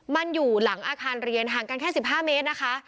มันอยู่หลังอาคารเรียนห่างกันแค่๑๕เมตรนะคะ